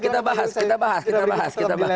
kita bahas kita bahas kita bahas